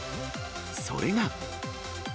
それが。